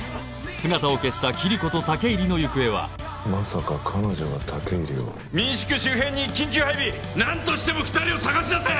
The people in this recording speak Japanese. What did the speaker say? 姿を消したキリコと武入の行方はまさか彼女が武入を民宿周辺に緊急配備なんとしても２人を捜し出せ！